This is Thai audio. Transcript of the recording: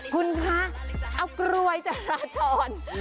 คุณพระเอากลวยจ่ายราชร